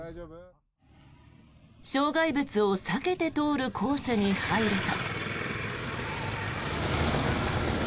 障害物を避けて通るコースに入ると。